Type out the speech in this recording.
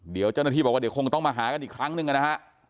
เดี๋ยวเจ้าหน้าที่บอกว่าเดี๋ยวคงต้องมาหากันอีกครั้งหนึ่งนะฮะ